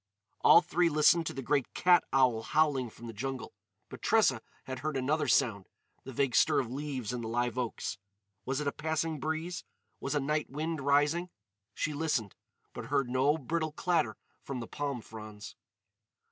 All three listened to the great cat owl howling from the jungle. But Tressa had heard another sound—the vague stir of leaves in the live oaks. Was it a passing breeze? Was a night wind rising? She listened. But heard no brittle clatter from the palm fronds.